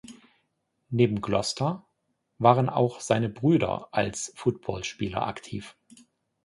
Neben Gloster waren auch seine Brüder als Footballspieler aktiv.